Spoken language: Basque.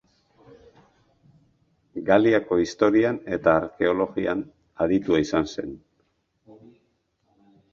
Galiako historian eta arkeologian aditua izan zen.